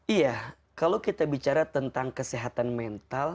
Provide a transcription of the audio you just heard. iya kalau kita bicara tentang kesehatan mental